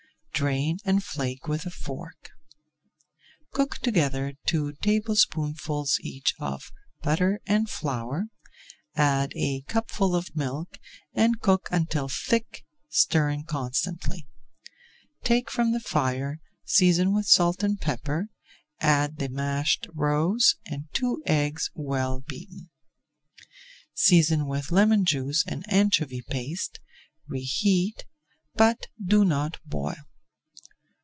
Drain and flake with a fork. Cook together two tablespoonfuls each of butter and flour, add a cupful of milk and cook until thick, stirring constantly. Take from the fire, season with salt and pepper, add the mashed roes and two eggs well beaten. Season with lemon juice and anchovy paste, reheat, but do not boil.